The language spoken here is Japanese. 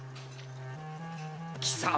貴様